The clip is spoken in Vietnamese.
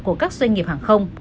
của các doanh nghiệp hàng không